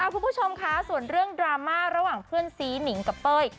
คุณผู้ชมค่ะส่วนเรื่องดราม่าระหว่างเพื่อนซีหนิงกับเป้ย